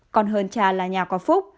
còn hơn trà là nhà có phúc